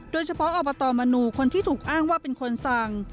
โดยเฉพาะอบตมณูคนที่ถูกอ้างว่าเป็นคนสั่ง